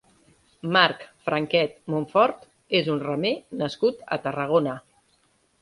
Marc Franquet Montfort és un remer nascut a Tarragona.